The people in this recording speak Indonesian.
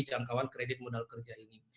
jangkauan kredit modal kerja ini